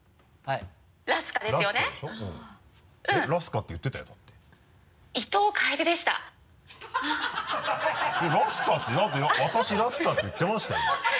「ラスカ」ってだって「私、ラスカ」って言ってましたよ